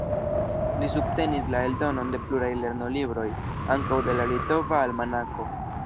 Li subtenis la eldonon de pluraj lernolibroj, ankaŭ de la "Litova Almanako".